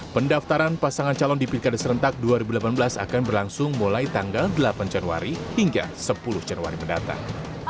pendaftaran pasangan calon di pilkada serentak dua ribu delapan belas akan berlangsung mulai tanggal delapan januari hingga sepuluh januari mendatang